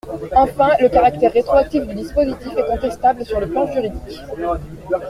Enfin, le caractère rétroactif du dispositif est contestable sur le plan juridique.